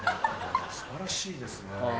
素晴らしいですね。